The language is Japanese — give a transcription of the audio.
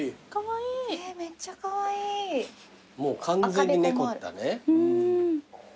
もう完全に猫だね。